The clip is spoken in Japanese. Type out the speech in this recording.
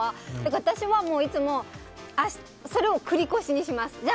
私はいつもそれを繰り越しにします。